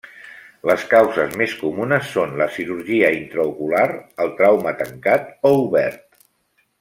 Les causes més comunes són la cirurgia intraocular, el trauma tancat o obert.